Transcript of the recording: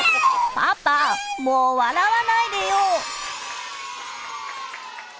パパも笑わないでよ！